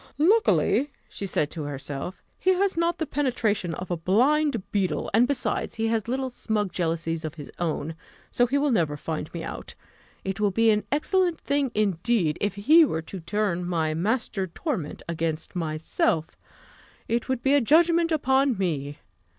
"Luckily," said she to herself, "he has not the penetration of a blind beetle; and, besides, he has little snug jealousies of his own: so he will never find me out. It would be an excellent thing indeed, if he were to turn my 'master torment' against myself it would be a judgment upon me.